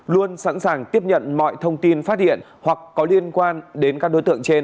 luôn sẵn sàng tiếp nhận mọi thông tin phát hiện hoặc có liên quan đến các đối tượng trên